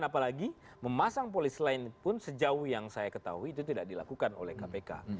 apalagi memasang polisi lain pun sejauh yang saya ketahui itu tidak dilakukan oleh kpk